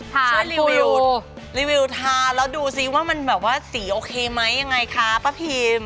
ช่วยรีวิวรีวิวทานแล้วดูซิว่ามันแบบว่าสีโอเคไหมยังไงคะป้าพิม